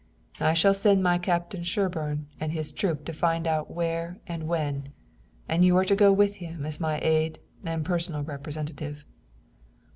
I shall send Captain Sherburne and his troop to find out where and when, and you are to go with him as my aide and personal representative."